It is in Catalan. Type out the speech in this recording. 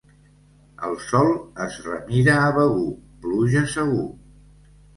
El sol es remira a Begur, pluja segur.